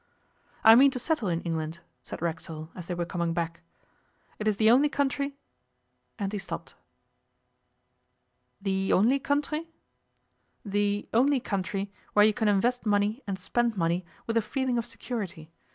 'I mean to settle in England,' said Racksole, as they were coming back. 'It is the only country ' and he stopped. 'The only country?' 'The only country where you can invest money and spend money with a feeling of security.